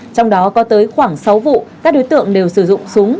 trong đó có tới khoảng sáu vụ các đối tượng đều sử dụng súng